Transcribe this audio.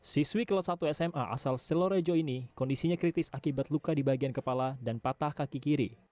siswi kelas satu sma asal selorejo ini kondisinya kritis akibat luka di bagian kepala dan patah kaki kiri